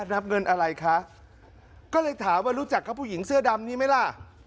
รับเงินอะไรคะก็เลยถามว่ารู้จักกับผู้หญิงเสื้อดำนี้ไหมล่ะ